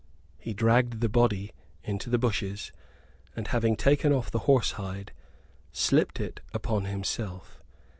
He dragged the body into the bushes; and, having taken off the horse hide, slipped it upon himself.